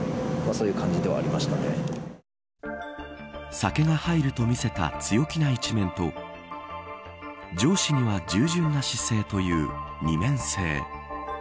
酒が入ると見せた強気な一面と上司には従順な姿勢という二面性。